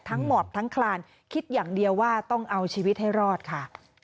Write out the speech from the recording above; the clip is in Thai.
หมอบทั้งคลานคิดอย่างเดียวว่าต้องเอาชีวิตให้รอดค่ะ